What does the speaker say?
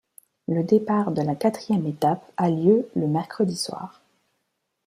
Le départ de la quatrième étape a lieu le mercredi soir.